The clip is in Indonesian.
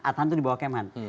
adhan itu di bawah kemhan